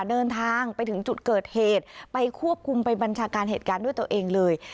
เดินทางไปถึงจุดเกิดเหตุไปควบคุมไปบัญชาการเหตุการณ์ด้วยตัวเองเลย